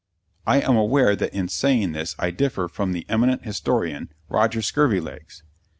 I am aware that in saying this I differ from the eminent historian, Roger Scurvilegs.